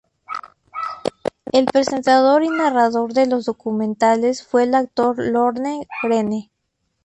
El presentador y narrador de los documentales fue el actor Lorne Greene.